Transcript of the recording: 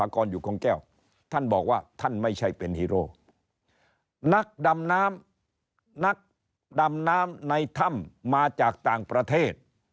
คงแก้วท่านบอกว่าท่านไม่ใช่เป็นฮีโร่นักดำน้ำนักดำน้ำในถ้ำมาจากต่างประเทศ